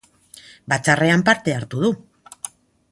Batzarrean parte hartu du.